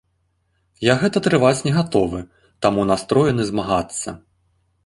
Я гэта трываць не гатовы, таму настроены змагацца.